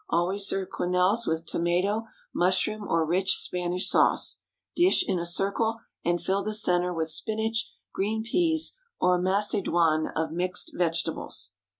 Always serve quenelles with tomato, mushroom, or rich Spanish sauce. Dish in a circle, and fill the centre with spinach, green peas, or a macédoine of mixed vegetables.